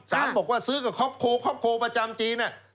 ศาสตร์บอกว่าซื้อกับคอปโคคอปโคประจำจีนเนี่ย